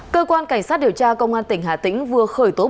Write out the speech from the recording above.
cơ quan cảnh sát điều tra công an tỉnh hà tĩnh vừa gọi là lê thái thiện